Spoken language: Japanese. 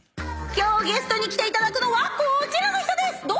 今日ゲストに来ていただくのはこちらの人です。